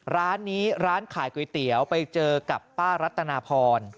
ร้านนี้ร้านขายก๋วยเตี๋ยวไปเจอกับป้ารัตนาพร